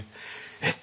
「えっ！」